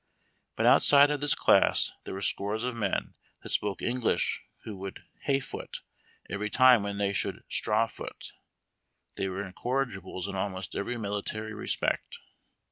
But outside of this class there were scores of men that spoke English who would " hay foot " every time when they should "• straw foot." They were incorrigibles in almost every military respect.